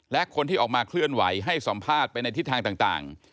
และคนที่ออกมาเคลื่อนไหวให้สัมภาษณ์ไปในทิศทางต่าง